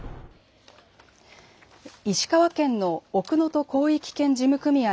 石川県の奥能登広域圏事務組合